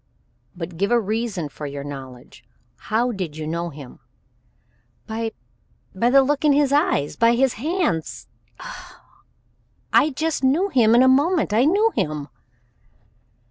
"But give a reason for your knowledge. How did you know him?" "By by the look in his eyes by his hands Oh! I just knew him in a moment. I knew him."